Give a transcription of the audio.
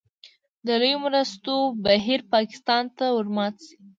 د لویو مرستو بهیر پاکستان ته ورمات شي.